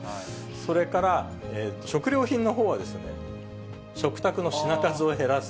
それから食料品のほうは、食卓の品数を減らす。